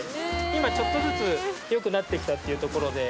今ちょっとずつよくなってきたっていうところで。